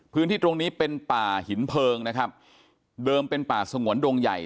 พื้นที่ตรงนี้เป็นป่าหินเพลิงนะครับเดิมเป็นป่าสงวนดงใหญ่